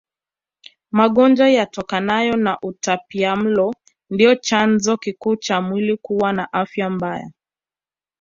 Magonjwa yatokanayo na utapiamlo ndio chanzo kikuu cha mwili kuwa na afya mbaya